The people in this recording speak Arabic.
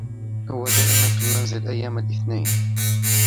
هو دائما في المنزل أيام الإثنين.